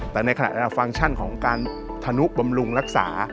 แต่ในขณะฟังก์ชั่นของการธนุบำรุงรักษา